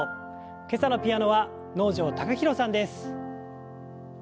今朝のピアノは能條貴大さんです。